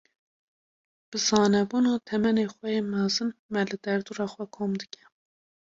Bi zanebûn û temenê xwe yê mezin, me li derdora xwe kom dike.